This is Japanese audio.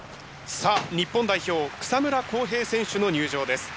さあ日本代表草村航平選手の入場です。